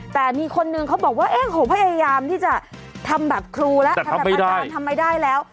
แต่มีคนหนึ่งเขาบอกว่าพยายามที่จะทำแบบครูแล้วแต่ทำไม่ได้แล้ว